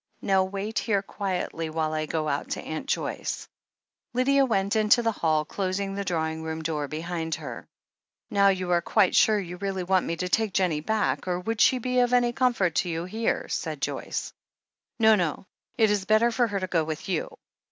Now wait here quietly, while I go out to Aunt Joyce." Lydia went into the hall, closing the drawing room door behind her. "Now, are you quite sure you really want me to take Jennie back, or would she be of any comfort to you here?" said Joyce. "No, no — it's better for her to go with you.